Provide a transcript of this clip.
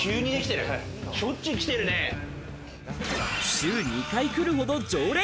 週２回来るほど常連！